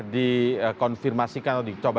dikonfirmasikan atau dicoba